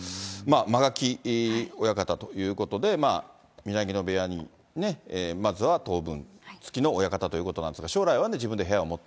間垣親方ということで、宮城野部屋にまずは当分、付きの親方ということなんですけど、将来は自分で部屋を持って。